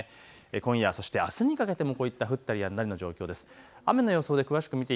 今夜、そしてあすにかけてもこういった降ったりやんだりの状況です。